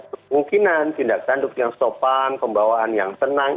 kemungkinan tindakan dukti yang sopan pembawaan yang tenang